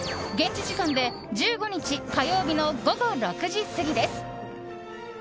現地時間で１５日火曜日の午後６時過ぎです。